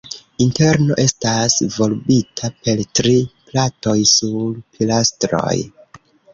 Interno estas volbita per tri platoj sur pilastroj.